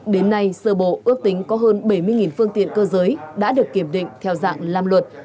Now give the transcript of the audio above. đến nay sơ bộ ước tính có hơn bảy mươi phương tiện cơ giới đã được kiểm định theo dạng làm luật